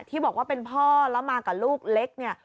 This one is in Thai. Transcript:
ที่บอกว่าเป็นพ่อแล้วมากับลูกเล็กเนี่ย